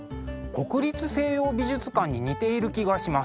国立西洋美術館に似ている気がします。